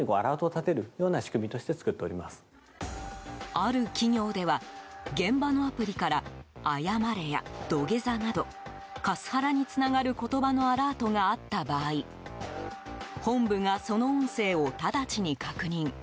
ある企業では現場のアプリから謝れや土下座などカスハラにつながる言葉のアラートがあった場合本部がその音声を直ちに確認。